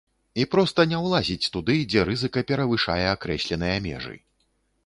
І проста не ўлазіць туды, дзе рызыка перавышае акрэсленыя межы.